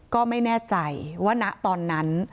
ก็ไม่แน่ใจว่าณตอนนั้น